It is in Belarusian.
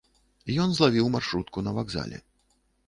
Ён злавіў маршрутку на вакзале.